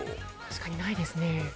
確かにないですね。